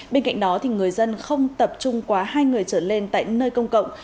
bên cạnh đó người dân không tập trung quá hai người trở lên tại nơi công cộng